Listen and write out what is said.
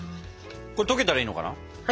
これ溶けたらいいのかな。